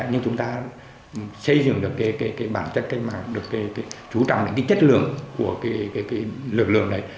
nhưng chúng ta xây dựng được cái bản chất cách mạng được chú trọng đến cái chất lượng của cái lực lượng đấy